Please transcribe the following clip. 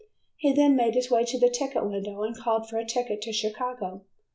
He then made his way to the ticket window and called for a ticket to Chicago.